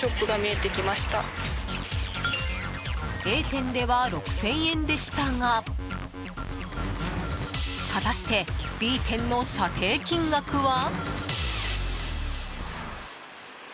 Ａ店では６０００円でしたが果たして、Ｂ店の査定金額は？